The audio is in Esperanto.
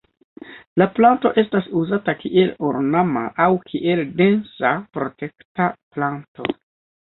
La planto estas uzata kiel ornama aŭ kiel densa protekta planto.